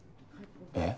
えっ？